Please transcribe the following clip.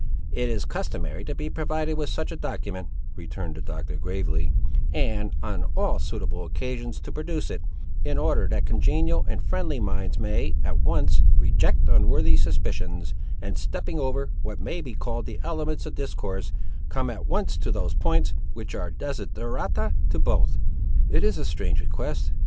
"It is customary to be provided with such a document," returned the Doctor, gravely; "and, on all suitable occasions to produce it, in order that congenial and friendly minds may, at once, reject unworthy suspicions, and stepping over, what may be called the elements of discourse, come at once to those points which are desiderata to both." "It is a strange request!"